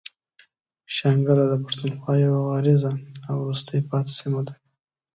شانګله د پښتونخوا يوه غريزه او وروسته پاتې سيمه ده.